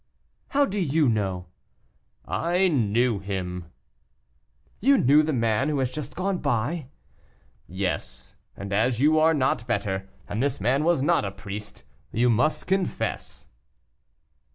"How do you know?" "I knew him." "You knew the man who has just gone?" "Yes; and as you are not better, and this man was not a priest, you must confess."